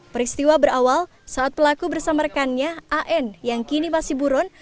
peristiwa berawal saat pelaku bersama rekannya an yang kini masih buron